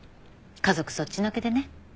家族そっちのけでね。